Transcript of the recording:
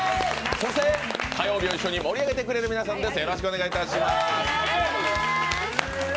そして火曜日を一緒に盛り上げてくれる皆さんです。